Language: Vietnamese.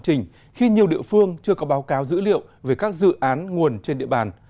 chỉnh khi nhiều địa phương chưa có báo cáo dữ liệu về các dự án nguồn trên địa bàn